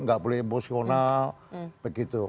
gak boleh emosional